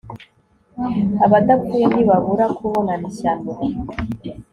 abadapfuye ntibabura kubonana ishyano